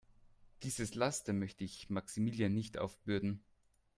Dieses Laster möchte ich Maximilian nicht aufbürden.